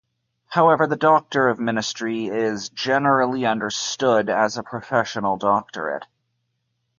However, the Doctor of Ministry is generally understood as a professional doctorate.